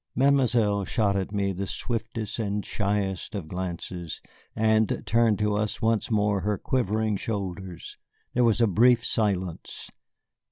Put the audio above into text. Mademoiselle shot at me the swiftest and shyest of glances, and turned to us once more her quivering shoulders. There was a brief silence.